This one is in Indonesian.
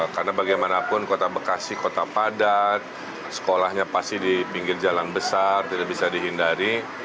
karena bagaimanapun kota bekasi kota padat sekolahnya pasti di pinggir jalan besar tidak bisa dihindari